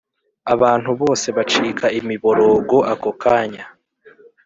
abantu bose bacika imiborogoako kanya